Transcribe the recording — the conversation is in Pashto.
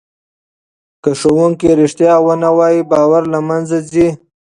که ښوونکی رښتیا ونه وایي باور له منځه ځي.